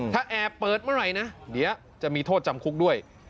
ถ้าแอบเปิดเมื่อไหร่นะเดี๋ยวจะมีโทษจำคุกด้วย